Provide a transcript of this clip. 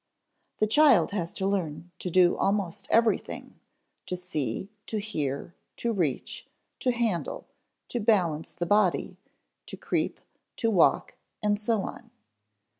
The child has to learn to do almost everything: to see, to hear, to reach, to handle, to balance the body, to creep, to walk, and so on.